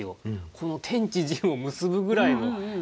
この「天地人」を結ぶぐらいの糸